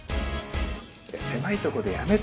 狭いとこでやめて。